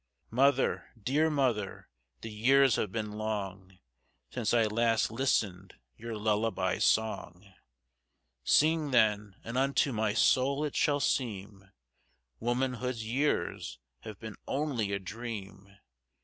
Mother, dear mother, the years have been longSince I last listened your lullaby song:Sing, then, and unto my soul it shall seemWomanhood's years have been only a dream.